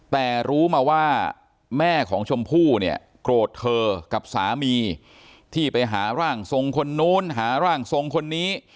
แต่รู้มาว่าแม่ของชมพู่เนี่ยโกรธเธอกับสามีที่ไปหาร่างทรงคนนู้นหาร่างทรงคนนี้